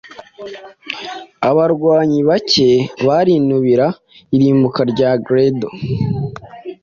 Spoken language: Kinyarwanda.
Abarwanyi bake barinubira irimbuka rya Grendel